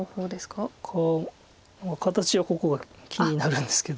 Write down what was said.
か形はここが気になるんですけど。